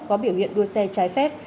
có biểu hiện đua xe trái phép